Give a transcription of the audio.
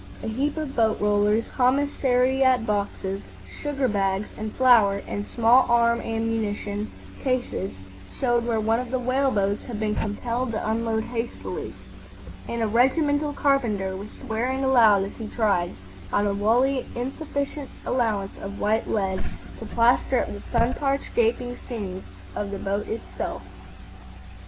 A heap of boat rollers, commissariat boxes, sugar bags, and flour and small arm ammunition cases showed where one of the whale boats had been compelled to unload hastily; and a regimental carpenter was swearing aloud as he tried, on a wholly insufficient allowance of white lead, to plaster up the sun parched gaping seams of the boat herself.